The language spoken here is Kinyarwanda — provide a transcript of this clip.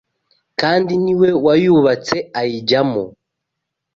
kandi niwe wayubatse ayijyamo